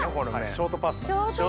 ショートパスタです。